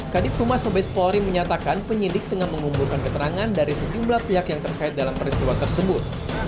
kadip rumah sobez polri menyatakan penyelidik tengah mengumumkan keterangan dari sejumlah pihak yang terkait dalam peristiwa tersebut